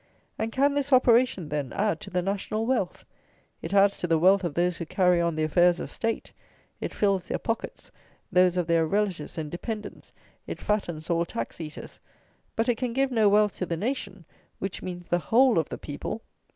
And, can this operation, then, add to the "national wealth"? It adds to the "wealth" of those who carry on the affairs of state; it fills their pockets, those of their relatives and dependents; it fattens all tax eaters; but it can give no wealth to the "nation," which means the whole of the people.